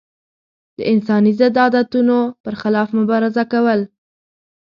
د انساني ضد عادتونو پر خلاف مبارزه کول.